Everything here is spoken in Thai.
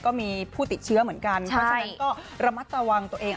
ก็มีผู้ติดเชื้อเหมือนกันเพราะฉะนั้นก็ระมัดระวังตัวเอง